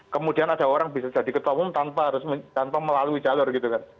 kemudian ada orang bisa jadi ketomong tanpa harus melalui jalur gitu kan